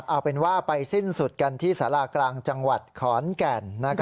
เอาเป็นว่าไปสิ้นสุดกันที่สารากลางจังหวัดขอนแก่น